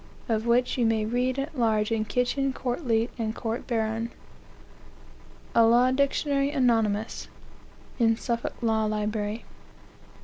of which you may read at large in Kitchen's Court leet and Court baron." A Law Dictionary, anonymous, (in Suffolk Law Library.)